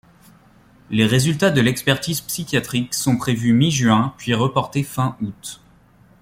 Les résultats de l'expertise psychiatrique sont prévus mi-juin puis reportés fin août.